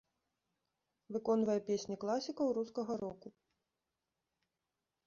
Выконвае песні класікаў рускага року.